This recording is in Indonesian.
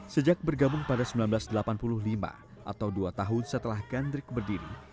sejak bergabung pada seribu sembilan ratus delapan puluh lima atau dua tahun setelah gandrik berdiri